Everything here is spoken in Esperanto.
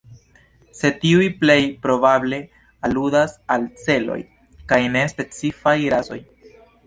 Sed tiuj plej probable aludas al celoj kaj ne specifaj rasoj.